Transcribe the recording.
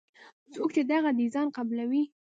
څوک چې دغه ډیزاین قبلوي.